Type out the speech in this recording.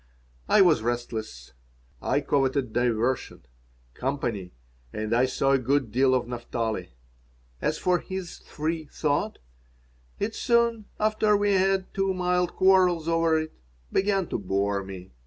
I was restless. I coveted diversion, company, and I saw a good deal of Naphtali. As for his Free Thought, it soon, after we had two mild quarrels over it, began to bore me.